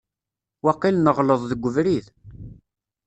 Waqil neɣleḍ deg ubrid.